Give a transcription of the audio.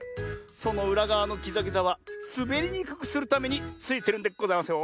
そのうらがわのぎざぎざはすべりにくくするためについてるんでございますよ。